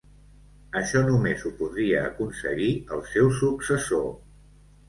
Això només ho podria aconseguir el seu successor.